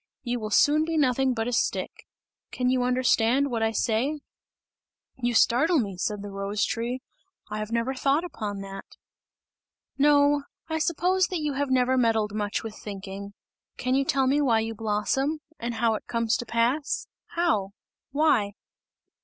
You will soon be nothing but a stick! Can you understand what I say?" "You startle me," said the rose tree, "I have never thought upon that!" "No, I suppose that you have never meddled much with thinking! Can you tell me why you blossom? And how it comes to pass? How? Why?"